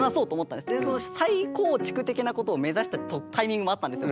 再構築的なことを目指したタイミングもあったんですよ。